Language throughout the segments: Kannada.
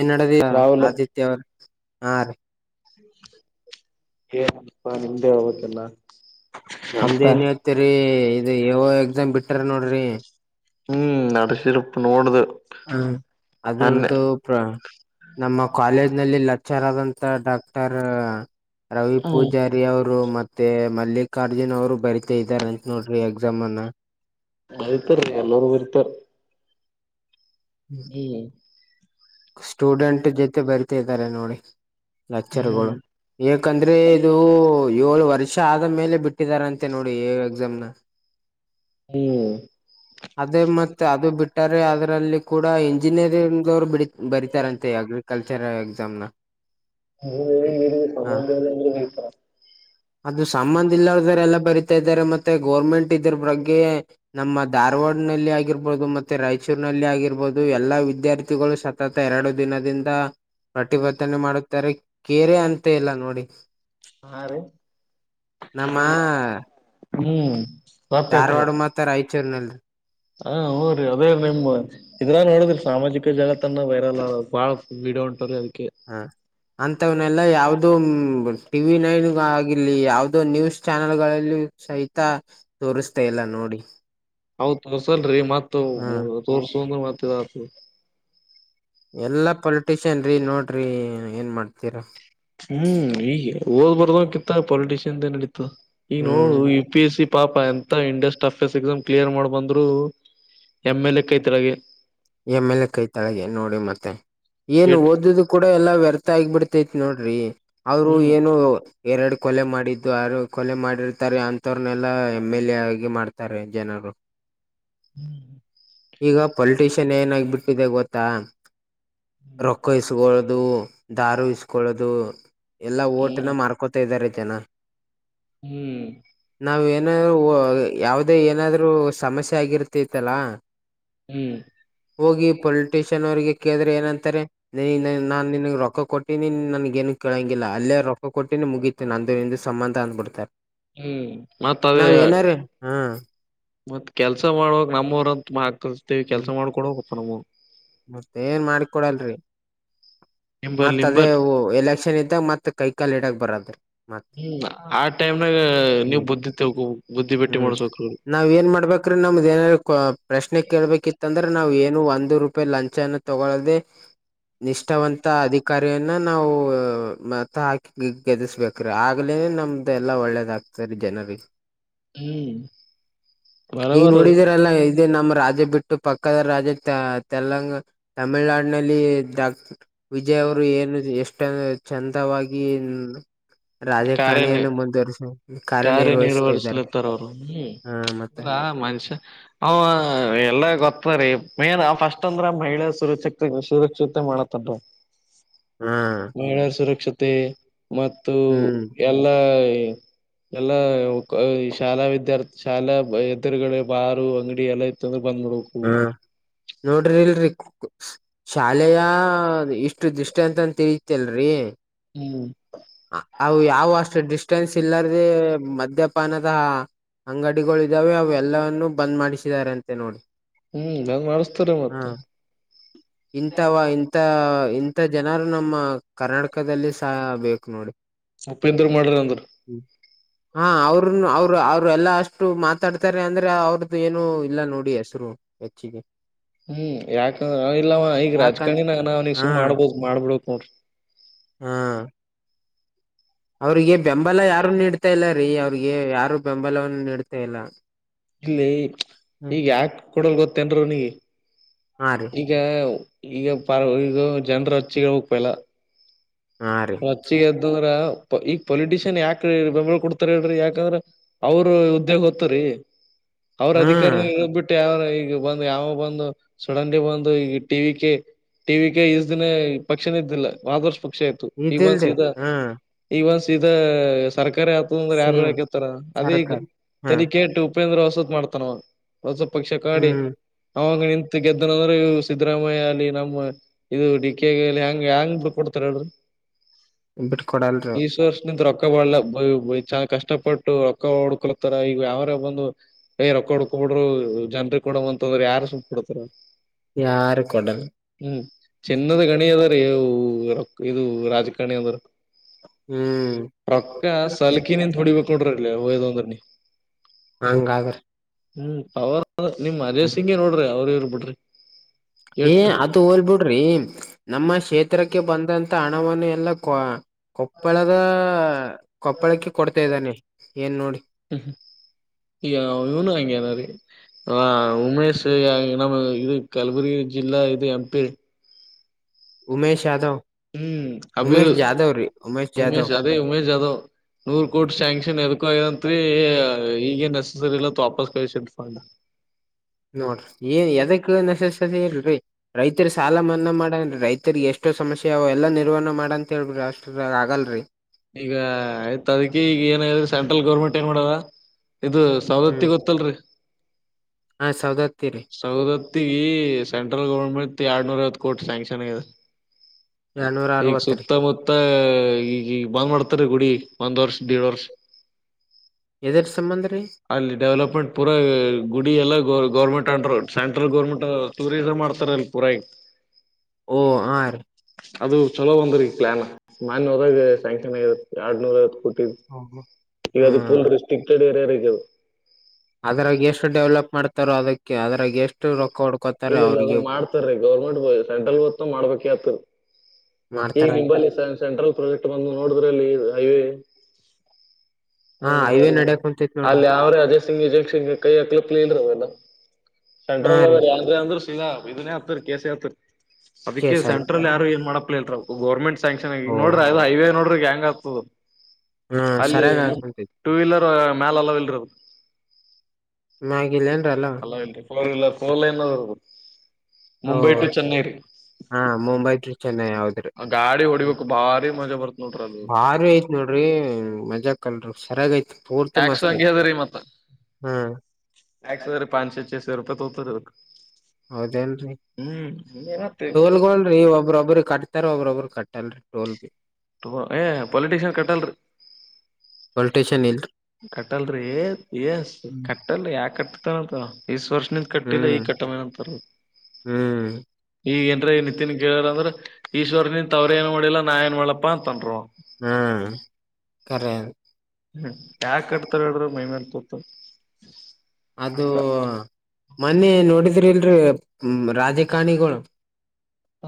ಏನ್ ನಡದಿಯೋ ರಾಹುಲ್ ಆದಿತ್ಯ ಅವ್ರ ಹಾ ರೀ. ಏನಪ್ಪ ನಿಮ್ದೇ [unintelligible] ಅವತ್ತಲ್ಲ ಗೊತ್ತಿಲ್ಲ ನಮ್ದ ಏನ್ ಹೇಳ್ತಿರಿ ಇದು ಎಂ, ಯೋ ಎಕ್ಸಾಮ್ ಬಿಟ್ಟಾರ ನೋಡ್ರಿ. ಹ್ಮ್, ನಡಸಿರಪ್ಪ ನೋಡದೇ ಹ, ಅದ್ರದ್ದು ನಮ್ಮ ಕಾಲೇಜ್ ನಲ್ಲಿ ಲೆಕ್ಚರ್ ಆದಂತ ಡಾಕ್ಟರ್ ರವಿ ಪೂಜಾರಿ ರಿ ಅವ್ರು ಮತ್ತೆ ಮಲ್ಲಿಕಾರ್ಜುನ್ ಅವರು ಬರಿತಾ ಇದ್ದಾರೆ ಅಂತ ನೋಡ್ರಿ ಎಕ್ಸಾಮ್ನ. ಬರಿತಾರ್ರಿಎಲ್ಲೊರು ಬರಿತಾರ್ ಹ್ಮ್ ಸ್ಟೂಡೆಂಟ್ ಜೊತೆ ಬರ್ತಿದ್ದಾರೆ ನೋಡಿ ಲೆಚ್ಚರಗಳು ಏಕಂದ್ರೆ ಇದು ಏಳು ವರ್ಷ ಆದ ಮೇಲೆ ಬಿಟ್ಟಿದಾರಂತೆ ನೋಡಿ ಎಕ್ಸಾಮ್ನ. ಹ್ಮ್, ಅದೇ ಮತ್ತೆ ಅದು ಬಿಟ್ಟಾರೆ ಅದ್ರಲ್ಲಿ ಅದು ಕೂಡ ಇಂಜಿನಿಯರಿಂಗ್ವರು ಬಿ ಬರಿತಾರಂತೆ. ಅಗ್ರಿ ಕಲ್ಚರ್ರ ಎಕ್ಸಾಮ್ನ ಮರೆ ಸನ್ತ [unintelligible] ಅದು ಸಂಬಂಧ ಇರಲ್ಲಾರು ಎಲ್ಲ ಬರಿತಾ ಇದ್ದಾರೆ ಮತ್ತೆ ಗೋರ್ಮೆಂಟ್ ಇದ್ರ ಬಗ್ಗೆ ನಮ್ಮ ಧಾರವಾಡ ನಲ್ಲಿ ಆಗಿರ್ಬಹದು ಮತ್ತೆ ರಾಯಚೂರ್ ನಲ್ಲಿ ಆಗಿರ್ಬಹುದು ಎಲ್ಲಾ ವಿದ್ಯಾರ್ಥಿಗಳು ಸ ಸತತಎರಡು ದಿನದಿಂದ ಪ್ರತಿಭಟನೆ ಮಾಡುತ್ತಾರೆ ಕೆೇರೆ ಅಂತ ಇಲ್ಲಾ ನೋಡಿ. ಹಾ, ರೀ ನಮ್ಮ- ಹ್ಮ್, ಧಾರವಾಡ ಮತ್ತ ರಾಯಚೂರಿನಲ್ಲಿ. ಹಾ, ಹ್ಮ್ ಅದೇ ನಿಮ್ಮ ಇದ್ರಗನೋಡದ್ರಿ ಸಾಮಾಜಿಕ ಜಾಲತಾಣಗಳಲ್ಲಿ ವೈರಲ್ ಬಾಳ ವೀಡಿಯೋ ಒಂಟದಲ್ಲಾ ಅದಿಕ್ಕೆ. ಹ ಅಂತವನೆಲ್ಲಾ ಯಾವ್ದು ಟಿವಿ ನೈನ್ ಆಗಿರ್ಲಿ ಯಾವ್ದ ಇದು ನ್ಯೂಸ್ ಚಾನಲ್ ಗಳಲ್ಲಿ ಸಹಿತ ತೋರಿಸ್ತಾಇಲ್ಲಾನೋಡಿ. ಅವು ತೋರ್ಸಲ್ರಿ ಮತ್ ತೋರ್ಸಂದ ಮತ್ತ ಇದಾತದ. ಎಲ್ಲಾ ಪೊಲಿಟಿಷಿಯನ್ ರೀ ನೋಡ್ರಿ ಏನ್ ಮಾಡ್ತೀರಾ. ಹ್ಮ್, ಈಗ ಓದ್ ಬರ್ದ ಕಿತ್ತ ಪೊಲಿಟಿಷಿಯನ್ದೆ ನಡೀತ ಈಗ ನೋಡು ಹ್ಮ್ ಈ ಪಿ ಎಸ್ ಸಿ ಪಾಪ ಎಂತ ಇಂಡಸ್ಟ್ ಎಫ್ ಎಸ್ ಎಕ್ಸಾಮ್ ಕ್ಲಿಯರ್ ಮಾಡ್ ಬಂದ್ರು ಎಮ್ ಎಲ್ ಎ ಕೈತಳಗೆ ಎ ಮೇಲೆ ಕೈ ತಳಗೆ ನೋಡಿ ಮತ್ತೆ ಏನ ಎಟ್ ಓದದು ಕೂಡ ಎಲ್ಲಾ ವ್ಯರ್ಥ ಆಗಿಬಿಡ್ತೈತಿ ನೋಡ್ರಿ ಅವ್ರು ಹ್ಮ್ ಏನು ಎರಡ ಕೊಲೆ ಮಾಡಿದ್ದು ಅರು ಕೊಲೆ ಮಾಡಿರ್ತಾರೆ ಅ ಮತ್ತವರ್ನೆಲ್ಲಾ ಎಮ್ ಎಲ್ ಎ ಆಗಿ ಮಾಡ್ತಾರೆ ಜನರು ಹ್ಮ ಈಗ ಪೊಲಿಟಿಷಿಯನ್ ಏನಾಗಬಿಟ್ಟಿದೆ ಗೊತ್ತಾ ರೊಕ್ಕ ಇಸ್ಗಳುದು ದಾರು ಇಸ್ಕೊಳ್ಳೋದು ಎಲ್ಲಾ ಹ್ಮ್ ಓಟನ ಮಾರ್ಕೊತಾ ಇದಾರೆ ಜನ ಹ್ಮ್ ನಾವ ಏನ ವ ಯಾವುದ ಏನಾದ್ರು ಸಮಸ್ಯೆ ಆಗಿರ್ತಿತ್ತಲ್ಲಾ ಹ್ಞ ಹೋಗಿ ಪೊಲಿಟಿಷಿಯನ್ ಅವರಿಗೆ ಕೇದ್ರೆ ಏನಂತಾರೆ. ನೀ ನಾನ್ ನಿನ್ಗ ರೊಕ್ಕ ಕೊಟ್ಟಿನಿ ನನ್ಗ ಏನ ಕೇಳಂಗಿಲ್ಲ ಅಲ್ಲೇ ರೊಕ್ಕ ಕೊಟ್ಟೀನಿ ಮುಗೀ ನಂದು ನಿಂದ ಸಂಬಂಧ ಅಂದಬಿಡ್ತಾರ ಹ್ಮ್ ನಾವ ಏನಾರ ಹ್ಮ ಮತ್ತ ಕೆಲ್ಸ ಮಾಡ ನಮ್ಮವರು ಅಂತ ಆ ಕರ್ಸ್ತೇವಿ ಕೆಲ್ಸ ಹ್ಮ್ ಮಾಡ್ಕೊಡಪ್ಪ ನಮ್ಮ ಮತ್ತ ಏನ್ ಮಾಡಿಕೊಡಲ್ರಿ ನಿಂಬಲ್ ಮತ್ತ ಅದೇ ನಿಂಬಲ್ ವು ಎಲೆಕ್ಷನ್ ಇದ್ದಾಗ ಮತ್ತ ಕೈಕಾಲ್ ಇಡಾಕ್ ಬರದ್ರೀ. ಹ್ಮ ಆ ಟೈಮ್ನಾಗ ನೀವ ಹ್ಮ್ ಬುದ್ದಿತ್ತೇಗ ಬುದ್ಧಿ ಭೇಟ್ಟಿ ಹ್ಮ್ ಮಾಡಸ್ಬೇಕ ನಾವ್ ಏನ್ ಮಾಡ್ಬೇಕ್ರ ನಮ್ದ ಏನಾರ ಪ್ರಶ್ನೆ ಕೇಳ್ಬೇಕಿತ್ತ ಅಂದ್ರೆ ನಾವ್ ಏನು ಒಂದು ರೂ ಪ ಲಂಚನ್ನು ತಗೊಲಿ ನಿಷ್ಠಾವಂತ ಅಧಿಕಾರಿ ಇನ್ನ ನಾವ ಮತ್ತ ಹಾಕಿ ಗೆದಿಸ್ಬೇಕ್ರೀ ಆಗ್ಲೇ ನಮ್ದ ಎಲ್ಲಾ ಒಳ್ಳೇದಾಗ ಸರಿ ಜನರಿ ಹ್ ಬರಬರ ಈಗ ನಮ್ಮ ರಾಜ ಬಿಟ್ಟು ಪಕ್ಕದ ರಾಜಕ್ಕ ತೆಲಂಗ ತಮಿಳನಾಡಿನಲ್ಲಿ ಡಾ ವಿಜಯ್ ಅವರು ಏನು ಎಷ್ಟು ಟ ಚಂದವಾಗಿ ಕಾರ್ಯನ ರಾಜಕಾರಣಿಯನ್ನು ಮುಂದುವರ್ಷ ಕಾರ್ಯನಿರ್ವಹಿಸ್ತಾದಾರೆ ಹ ಮತ್ತ ರಾ ಮನಷ್ಯ ಹ ಎಲ್ಲ ಗೊತ್ತರೀ ಮೇನ್ ಫಸ್ಟ್ ಅಂದ್ರ ಮಹಿಳೆ ಸುರಕ್ಷತೆ ಸುರಕ್ಷತೆ ಮಾಡತ್ತನಾರಿ. [inaudible] ಹ್ಮ ಮಹಿಳೆಯ ಸುರಕ್ಷತೆ ಮತ್ತು ಹ್ಮ್ ಎಲ್ಲಾ ಎಲ್ಲ ಶಾಲಾ ವಿದ್ಯಾರ್ಥಿ ಶಾಲಾ ಹೆದುರುಗಳ ಬಾರ ಅಂಗಡಿ ಎಲ್ಲ ಇತ್ತಂದ್ರೆ ಬಂದ್ಬ ಹಾ ನೋಡ್ರಿ ಇಲ್ರಿ ಶಾಲೆಯ ಇಷ್ಟ ದೃಷ್ಟ ಅಂತನ ಐತಲ್ರಿ ಹ್ಮ ಅವು ಯಾವ ಅಷ್ಟ ಡಿಸ್ಟನ್ಸ್ ಇಲ್ಲಾರ್ದೇ ಮದ್ಯಪಾನದ ಅಂಗಡಿಗಳು ಇದ್ದಾವೆ ಅವ ಎಲ್ಲನ್ನೂ ಬಂದ್ ಮಾಡಿಸಿದ್ದಾರೆ ಅಂತ ನೋಡಿ. ಹ್ಮ ಲಗ್ಗ ನದ್ಸ ಹಾ [inaudible] ಇಂಥವಾ ಇಂಥ ಇಂಥ ಜನರು ನಮ್ಮ ಕರ್ನಾಟಕದಲ್ಲಿ ಸಹ ಬೇಕು ನೋಡಿ. ಉಪ್ಪಂದರ ಮಾಡದ ಅಂದ್ರ ಹ್ಮ ಅವ್ರನು ಅವರು ಅವರು ಎಲ್ಲಾ ಅಷ್ಟು ಮಾತಾಡ್ತಾರೆ ಅಂದ್ರ ಅವ್ರ ದು ಏನು ಇಲ್ಲ ನೋಡಿ ಹೆಸರು ಹೆಚ್ಚಿಗೆ ಹ್ಮ ಯಾಕಂದ್ರ ಇಲ್ಲವ ಈಗ ಯಾಕಂದ ರಾಜಕಾರಣಿನಾಗನಿಗ ಹಾ ಸುಮ್ ಮಾಡ್ಬೋ ಮಾಡ್ಬಿಕ ನೋಡ್ರಿ. ಹ್ಮ ಅವ್ರಿಗೆ ಬೆಂಬಲ ಯಾರು ನೀಡ್ತಾ ಇಲ್ಲ ರೀ ಅವ್ರಿಗೆ ಯಾರು ಬೆಂಬಲವನ್ನು ನೀಡ್ತಾ ಇಲ್ಲ ಇಲ್ಲಿ ಈಗ ಯಾಕ್ ಕೊಡಲ್ ಗೊತ್ತೇನ್ರಿ ಅವ್ನಿಗೆ ಹಾ ರೀ ಈ ಈಗ ಈಗ ಪ ಈಗ ಜನ್ರ ಹಚ್ಕಬೇಕು ಎಲ್ಲ ಹಾ ರೀ ರಚ್ಚಿಗೆ ಎದ್ದಂದ್ರ ಈಗ ಪೊಲಿಟಿಷಿಯನ್ ಯಾಕ ಬೆಂಬಲ ಕೊಡ್ತಾರ ಹೇಳ್ರಿ ಯಾಕಂದ್ರ ಅವರು ಉದ್ಯ ಗೊತ್ತರಿ ಅವ್ರ ಹ್ಮ್ ಅಧಿಕಾರ ಇರೊ ಬಿಟ್ಟು ಯಾವನ ಈಗ ಬಂದು ಯಾವ ಬಂದು ಸುಡ್ಡೆನ್ಲಿ ಬಂದು ಈಗ T V K T V K ಇಷ್ಟ ದಿನ ಪಕ್ಷಿನ ಇದ್ದಿಲ್ಲ ಆದರ್ಶ್ ಪಕ್ಷ ಇತ್ತು ಈಗ ಒಂದ ಇದಿಲ್ದೆ ಸೀದ ಹಾ ಈಗ ಒಂದ ಸೀದ ಸರ್ಕಾರ [unintelligible] ಸಿ ಯಾರ ಎಂ ಹಕತಾರ ಅದೀಗ ಸರ್ಕಾರಿ ಹಾ ತಲಿಕೆಟ್ ಉಪೇಂದ್ರ ವಸತ್ ಮಾಡ್ತಾನ ಹೊಸ ಪಕ್ಷ ಕಾಡಿ ಹ್ಮ್ ಅವಾಗ ನಿಂತ ಗೆದ್ದನಂದ್ರೆ ಸಿದ್ದರಾಮಯ್ಯ ಅಲ್ಲಿ ನಮ್ಮ ಇದು ಡಿ ಕೆ ಗೆ ಲಿ ಹೆಂಗ ಹೆಂಗ್ ಬಿಡ್ ಕೊಡ್ತಾರ ಹೇಳ್ರಿ ಬಿಟ್ ಕೊಡಲ್ ರಿ ಅವ್ರು ನಿಂದು ರೊಕ್ಕ ಬಲ ಚ ಕಷ್ಟಪಟ್ಟು ರೊಕ್ಕ ಓಡ್ಕೊತಾರ ಈಗ ಅವರೇ ಬಂದು ಏ ರೊಕ್ಕ ಹುಡ್ಕಬಿಡು ಜನ್ರಿಗೆ ಕೊಡಂಬಂತದ್ರ ಯಾರು ಸುಮ ಕೊಡ್ತಾರ ಯಾರು ಕೊಡಲ್ ಹ್ಮ್ ಚೆನ್ನದ ಗಣಿ ಅದಾರೀ ಇದು ರಾಜಕಾರಣಿ ಅದಾರ ಹ್ಮ್ ರೊಕ್ಕ ಸಲ್ಕಿನಿಂದ ಹೊಡಿಬೇಕು ನೋಡ್ರಿ ಹೋಯದ ಅಂದ್ರಲ್ಲಿ ಹಂಗಾಗ ಹ್ಮ್ ಅವ್ರ ನಿಮ್ ಅನಿ ಸಿಂಗೇ ನೋಡ್ರಿ ಅವ್ರ ಇವ್ರ ಬಿಡ್ರಿ ಏ ಎಟ್ ಅದು ಹೋಲ್ ಬಿಡ್ರಿ ನಮ್ಮ ಕ್ಷೇತ್ರಕ್ಕೆ ಬಂದಂತ ಹಣವನ್ನು ಎಲ್ಲ ಕೊ ಕೊಪ್ಪಳದ ಕೊಪ್ಪಳಕ್ಕೆ ಕೊಡ್ತಾ ಇದ್ದಾನೆ ಏನ್ ನೋಡಿ ಈಗ ಇವನು ಹಂಗೆನ ರೀ ಹ ಉಮೇಶ್ ನಮ ಇದು ಕಲಬುರಗಿ ಜಿಲ್ಲಾ ಇದು ಎಂ ಪಿ ಉಮೇಶ್ ಯಾದವ್ ಹ್ಮ್ ಅಬಿರ್ ಉಮೇಶ್ ಜಾಧವ್ ರೀ ಉಮೇಶ್ ಜಾಧವ್ ಉಮೇಶ ಅದೇ ಉಮೇಶ ಯಾದವ್ ನೂರ್ ಕೋಟಿ ಶ್ಯಾಂಕ್ಷನ್ ಎದಕ ಏನಂತ್ರಿ ಈಗ ನೆಸಸರಿ ಇಲ್ಲತ್ ವಾಪಸ್ ಕಳಸನೆ ಫಂಡ್ ನೋಡ್ರಿ ಏನ್ ಎದಕ್ಕ ನೆಸಸ್ಸರಿ ಇಲ್ರಿ ರೈತರ ಸಾಲ ಮನ್ನಾ ಮಾಡನ್ರಿ ರೈತರಿಗೆ ಎಷ್ಟ್ ಎಷ್ಟೋ ಸಮಸ್ಯೆ ಅವೆ ನಿರ್ವಣ ಮಾಡ ಅಂತ ಹೇಳಬಿಡ್ರಿ ಅಷ್ಟ್ರ ಆಗಲ್ರಿ ಈಗ ಆಯ್ತ ಅದಕ್ಕೆ ಈಗ ಏನ ಸೆಂಟ್ರಲ್ ಗೌರ್ಮೆಂಟ್ ಏನ್ ಮಾಡದ ಇದು ಸವದತ್ತಿ ಹ್ಮ್ ಗೊತ್ತಲ್ರಿ ಹಾ ಸೌದತ್ತಿರಿ ಸೌದತ್ತಿಗೆ ಸೆಂಟ್ರಲ್ ಗೌರ್ಮೆಂಟ್ ಎರಡ್ನೂರ ಐವತ್ತು ಕೋಟಿ ಸ್ಯಾಂಕ್ಷನ್ ಆಗಿದೆ ಎರಡ್ನೂರ ಈಗ ಅರವತ್ತರಿ ಸುತ್ತಮುತ್ತ ಈಗ ಈಗ ಬಂದ್ ಮಾಡ್ತಾರ ಗುಡಿ ಒಂದ್ ವರ್ಷ [unintelligible] ವರ್ಷ ಎದರ ಸಂಬಂಧ ರೀ ಅಲ್ಲಿ ಡೆವಲಪ್ಮೆಂಟ್ ಪೂರ ಗುಡಿ ಎಲ್ಲ ಗ government under central government tourism ಮಾಡ್ತಾರ ಅಲ್ಲಿ [unintelligible] ಓ ಹಾ ರೀ ಅದು ಚಲೋ ಒಂದ್ರಿ ಪ್ಲಾನ್ ಮಾನ್ ಹೋದಾಗ ಶ್ಯಾಂಕ್ಷನ್ ಗ ಎರ್ಡ್ನೂರ ಐವತ್ತು ಕೊಟ್ಟಿದು ಹ್ಮ ಈಗ ಅದು ಫುಲ್ ರೆಟ್ರಿಕ್ಟೆಡ್ ಏರಿಯಾ ರಿ ಅದು ಅದ್ರಾಗ ಎಷ್ಟು ಡೆವಲಪ್ ಮಾಡ್ತಾರೋ ಅದಕ್ಕೆ ಅದ್ರಾಗ ಎಷ್ಟು ರೊಕ್ಕ ಹೊಡ್ಕೋತಾರ ಇಲ್ಲ ಇಲ್ಲ ಅದ ಅವ್ರಿಗೆ ಮಾಡ್ತಾರೀ ಗೌರ್ಮೆಂಟ್ ಸೆಂಟ್ರಲ್ ಮಾಡ್ಬೇಕ ಆತ್ ಈಗ ಮಾಡ್ತಾರನ್ರಿ ನಿಂಬಲ್ಲಿ ಸೆಂಟ್ರಲ್ ಪ್ರಾಜೆಕ್ಟ್ ಬಂದು ನೋಡಿದ್ರಲ್ರಿ ಹೈವೇ ಹಾ ನಿಮ್ ಹೈವೇ ಜರಿ ನಡ್ಯಕ್ ಕುಂತೈತ್ ನೋಡ್ರಿ ಅಲ್ಲಿ ಅವ್ರೆ ಅದ [unintelligible] [unintelligible] ಹಾ ಸೆಟ್ರಲ್ ಅವ ರೀ ಇ ಅಂದ್ರ ಇದೇ ಹತ್ರಿ ಕೆಸ ಹತ್ತ ಅದಕ್ಕೆ ಕೇಸ್ ಆಯ್ತ್ ಸೆಂಟ್ರಲ್ ಯಾರು ಏನ್ ಮಾಡಪ್ಪಾ ಇಲ್ಲ ಗೌರ್ಮೆಂಟ್ ಸ್ಯಾಂಕ್ಷನ್ ಆಗ ಓ ನೋಡ್ರ ಅದು ಹೈವ ನೋಡ್ರಿ ಹೆಂಗ ಆಗ್ತದ. ಹಾ ಅಲ್ಲಿ ಸರಿಯಾಗ ನಮ ಆಕುಂತೈತಿ ಟೂ ವೀಲರ್ ಮ್ಯಾಲ ಅಲೋವ್ ಇಲ್ರಿಅದು. ಮ್ಯಾಗಿದೇನ್ರಿ ಅಲೋವ್ ಫೋರ್ ವೀಲರ್ ಫೋರ್ ಲೈನಾದು ಓ ಮುಂಬೈ ಟು ಚೆನ್ನೈ. ಹಾ ಮುಂಬೈ ಟು ಚೆನ್ನೈ ಹೌದ್ರಿ ಗಾಡಿ ಹೊಡಿಬೇಕು ಭಾರಿ ಮಜಾ ಬರ್ತ್ ನೋಡ್ರಿ ಅದು ಬಾರಿ ನೋಡ್ರಿ ಮಜಾಕ್ಲ್ರಿ ಸರಿಯಾಗೈತ್ ಪೂರ್ತಿ ಟ್ಯಾಕ್ಸ್ ಮಸ್ತ್ ಹಂಗೆ ಐತ್ ಅದ ಹ್ಮ. ಎಕ್ಸ ಪಚಶೆ ಚಸೆ ರೂಪ ತ ಹತ ರ [unintelligible] ಹೌದೇನ್ರಿ ಹ್ಮ್ತ್ತ [inaudible] ಒಬ್ಬ್ರೊಬ್ರ ಕಟ್ತಾರ ಒಬ್ಬ್ರೊಬ್ಬ್ರ ಕಟ್ಟಲ್ ಟೋಲ್ ಬಿ. ಏ ಪೋಲಟೀಷನ್ ಕಟ್ಟಲ್ರಿ. ಪೋಲಿಟಿಷನ್ ಇಲ್ರಿ ಕಟ್ಟಲ್ರಿ ಎಸ್ ಕ [unintelligible] ಹ್ಮ್ ಕಟ್ಟಲ್ಲ ಯಾಕಕಟ್ಟತಾರಂತ ಈಸ್ಟವರ್ಷಿಂದ ಕಟ್ಟಿಲ್ಲ ಈಗ್ ಕಟ್ಟಮೇನ್ ಅಂತಾರ ಅವ್ರು. ಹ್ಮ್, ಈಗ ಏನ್ರಿ ನಿತ್ಯನ್ ಕೇಳಾರ ಅಂದ್ರೆ ಈಶ್ವರ್ನಿಂತ ಅವ್ರೇಏನ ಮಾಡ [unintelligible] ಲ್ಲ ನಾಎನ್ ಮಾಡ್ಲಪ್ಪಾ ಅಂತಾನವನು. ಹ್ಞ್, ಕರೆೇನೆ ಹ್ಮ ಯಾಕ ಕಟ್ತಾರ ಹೇಳ್ರಿಅವರು ಮೈ ಮೇಲ್ ತೋತ [unintelligible] ಅದು ಮೊನ್ನೆ ನೋಡಿದ್ರಿಲ್ರಿ ರಾಜಕಾಣಿಗಳು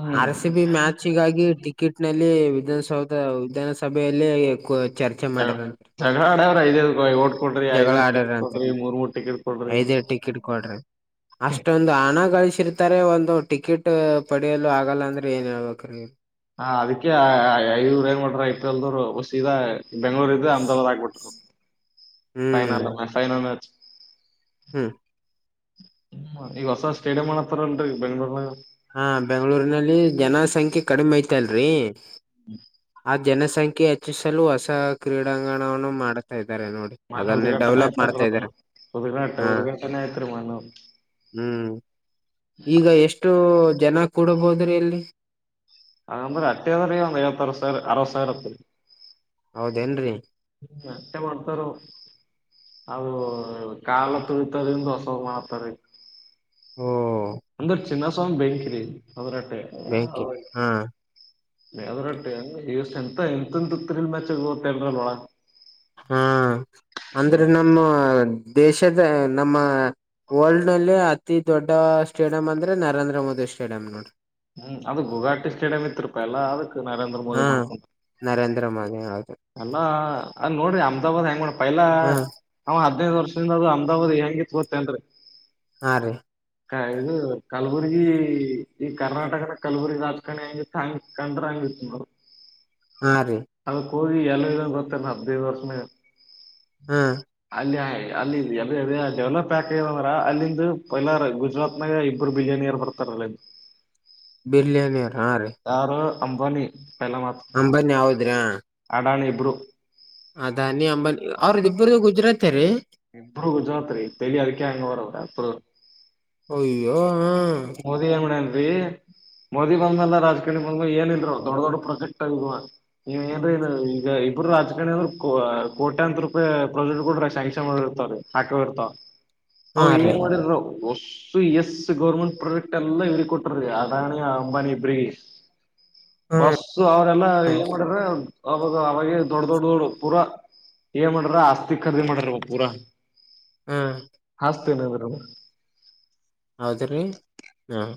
ಹ್ಮ್ ಆರ್ ಸಿ ಬಿ ಮ್ಯಾಚಿಗಾಗಿ ಟಿಕೆಟ್ ನಲ್ಲಿ ವಿಧಾನಸೌಧ ವಿಧಾನಸಭೆಯಲ್ಲಿ- ಚರ್ಚೆ ಮಾಡರಂತ. ನಗ ಆಡ್ಯವ ಐದ ಓಟ್ ಕೊಡ್ರಿ, ಐದ ಟಿಕೆಟ್ ಕೊಡರಿ ಮೂರ್ ಮೂರ ಟಿಕೆಟ್ ಕೊಡ್ರಿ - ಐದ-ಐದ ಟಿಕೆಟ್ ಕೊಡ್ರಿ ಅಂತ. ಅಷ್ಟೊಂದು ಹಣ ಗಳಿಸಿರ್ತಾರೆ ಒಂದು ಟಿಕೆಟ್ ಪ ಕಡಲ್ಲ ಆಗಲ್ಲ ಅಂದ್ರೆ ಏನ್ ಹೇಳ್ಬೇಕ್ರ ನಿಮಗ. ಹ ಅದಕ್ಕೆ ಇವರು ಏನ್ ಮಾಡ್ರ ಐಪಿಎಲ್ ಲ್ದವರು ಸಿದಾ ಬೆಂಗ್ಗಳೂರ್ ಇದು ಅಮದಾಬಾದ್ ಆಗ್ಬಿಟ್ರು ಹ್ಮ್ ಫೈನಲ್ ಫೈನಲ್ ಮ್ಯಾಚ್. ಹ್ಮ್, ಹ್ಮ್, ಈಗ ಹೊಸ ಸ್ಟೇಡಿಯಂಮಾಡ್ಲತ್ತಾರಲ್ರಿ ಬೆಂಗ್ಳೂರ್ನಗ. ಹಾ, ಬೆಂಗಳೂರಿನಲ್ಲಿ ಜನ ಸಂಖ್ಯೆ ಕಡಿಮೆ ಐತಲ್ರಿ. ಹ್ಮ್ [inaudible] ಆ ಜನಸಂಖ್ಯೆ ಹೆಚ್ಚಿಸಲು ಹೊಸ ಕ್ರೀಡಾಂಗಣವನ್ನು ಮಾಡ್ತಾ ಇದ್ದಾರೆ ನೋಡಿ. ಮೊನ್ನೆ ಅದನ್ನೇ ಉದ್ಗಾಟನೆ ಡೆವಲಪ್ ಮಾಡ್ತಾ ಇದಾರೆ ಉಘ ಹಾ [unintelligible] ಉದ್ಘಾಟನೆ ಆಯ್ತರಿ ಮೊನ್ನೆ ಒಂದು. ಹ್ಮ್, ಈಗ ಎಷ್ಟು ಜನ ಕೂಡಬೋದ್ರಿ ಅಲ್ಲಿ. ಅದೇ ಅಂದ್ರೆ ಅತ್ತಗಂದ್ರಕೂಡ ಐವತ್ತು-ಅರವತ್ತು ಸಾವಿರ ಆತದರಿ. ಹೌದೇನ್ರಿ. ಹ್ಮ್, ಅಷ್ಟೆ ಮಾಡ್ತಾರೋ ಅದು ಕಾಲ ತುಳಿತದಿಂದ ಹೊಸದ ಮಾಡ್ತಾರಿ. ಹ್ಮ [inaudible] ಅಂದ್ರ ಚಿನ್ನ ಸಾಮ ಬೆಂಕಿರಿ ಅದ್ರಟ್ಟೆ ಬೇಕೆ [unintelligible] ಹಾ ಅದ್ರಷ್ಟ ಎಂತ ಎಂತಂತ ತ್ರೀಲ್ ಮ್ಯಾಚ ಓದತೇರಲ್ ಒಳ [unintelligible] ನೋಡಂ ಹ್ಮ್, ಅಂದ್ರೆ ನಮ್ಮ ದೇಶದ ನಮ್ಮ ವರ್ಲ್ಡ್ ನಲ್ಲಿ ಅತಿ ದೊಡ್ಡ ಸ್ಟೇಡಿಯಂ ಅಂದ್ರೆ ನರೇಂದ್ರ ಮೋದಿ ಸ್ಟೇಡಿಯಂ ನೋಡ್ರಿ. ಹ್ಮ್, ಅದು ಗುಘಾಟಿ ಸ್ಟೇಡಿಯಂ ಇತ್ರ್ಪಾ ಎಲ್ಲ ಅದಕ್ ನೇಂದ್ರ ಹಾ ಮೋದಿ ಮಾಡ್ಕೊಂಡು. ನರೇಂದ್ರ ಮೋದಿ ಹೌದು. ಅಲ್ಲಾ ಅಲ್ ನೋಡ್ರಿ ಅಹಮದಾಬಾದ್ ಹೆಂಗ ಮಾಡ ಪೈಲಾ ಹಾ ಅವ ಹದಿನೈದು ವರ್ಷದಿಂದ ಅದು ಅಮದಬಾದ್ ಹೆಂಗಿತ್ತ್ ಗೊತ್ತೆನ್ರಿ? ಹಾ ರೀ ಕ ಇದು ಕಲಬುರ್ಗಿ ಈ ಕರ್ನಾಟಕನ ಕಲಬುರ್ಗಿ ರಾಜಕಾರಣಿ ಹೆಂಗಿತ್ತು. ಹಾ ಕಂಡುರಂಗ ಇತ್ತ್ ಬ್ರೋ. ಹಾ ರೀ ಹೋಗಿ ಎಲ್ಲ ಇದ ಗೊತ್ತಲ್ಲ ಹದ್ನೈದ ವರ್ಷದಾಗ್. ಹಾ ಅಲ್ಲಿ ಅಲ್ಲಿ ಎಲ್ಲಾ ಅದೇ ಡೆವಲಪ್ ಯಾಕ್ ಆಗ್ಯದ ಅಂದ್ರ ಅಲ್ಲಿಂದು ಪಲಾರ ಗುಜರಾತ್ ನಾಗ ಇಬ್ಬರ ಬಿಜನಿಯರ ಬರ್ತಾರಲ್ಲ ಬಿಲ್ಲೆನಿಯರ್ ಹಾಂ ರೀ. ಯಾರು ಅಂಬಾನಿ ಪೈಲಾ ಮಾತ್. ಅಂಬಾನಿ ಹೌದ್ರಾ ಅಡಾನಿ ಇಬ್ರು. ಅದಾನಿ ಅಂಬಾನಿ ಅವ್ರ ಇಬ್ಬರದು ಗುಜರಾತೆ ರೀ? ಇಬ್ಬರೂ ಗುಜರಾತ ರಿ ತೆಲಿ ಅದಕ್ಕೆ ಹಂಗವಾ ರಿ ಅವ ಯಾಡ್ದುರ್ದು. ಅಯ್ಯೋ ಹ. ಮೋದಿ ಏನ್ ಮಾಡ್ಯಾನ್ರಿ ಮೋದಿ ಬಂದ ಮ್ಯಾಲ ರಾಜಕಾರಣಿ ಬಂದ ಏನಿಲ್ರಿ ಅವ ದೊಡ್ಡ ದೊಡ್ ಪ್ರೊಜೆಕ್ಟ್ ಆಗ ಇವ ಏನ್ರೀ ನೀ ಈಗ ಇಬ್ರೂ ರಾಜಕಾರಣಿ ಅಂದ್ರ ಕೋ ಕೋಟ್ಯಂತ ರೂಪಾಯಿ ಪ್ರಾಜೆಕ್ಟ್ಗೊಳ್ ಶಾಂಕ್ಷನ್ ಮಾಡಿರ್ತಾವ್ರಿ. ಹಾಕವ ಇರ್ತಾವ ಅವ ಹಾ ರೀ ಏನ್ ಮಾಡಿದ್ರು ಒಸ್ಸೂ ಎಸ್ಸ ಗೌರ್ಮೆಂಟ್ ಪ್ರೊಜೆಕ್ಟ್ ಎಲ್ಲ ಇವ್ರಿಗ ಕೊಟ್ಟಾರಿ ಅಡಾಣಿ ಅಂಬಾನಿ ಇಬ್ರಿಗಿ ಹ್ಮ್ ಒಸ್ಸೂ ಸೋ ಅವ್ರೆಲ್ಲಾ ಏನ್ ಮಾಡ್ಯರಾ ಅವಾಗ ಅವಾಗೆ ದೊಡ್ಡ ದೊಡ್ಡ ದೊಡ್ಡ ಪೂರಾ ಏನ್ ಮಾಡ್ಯಾರ್ ಆಸ್ತಿ ಖರಿದಿ ಮಾಡ್ಯಾರ್ ಪೂರಾ ಹ್ಮ್ ಹಚ್ತೀನಿ ನಿಂದರ್ ಹೌದ್ರಿ ಹಾಂ